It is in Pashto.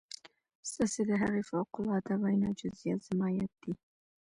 ستاسې د هغې فوق العاده وينا جزئيات زما ياد دي.